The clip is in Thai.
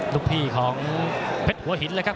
ลูกพี่ของเพชรหัวหินเลยครับ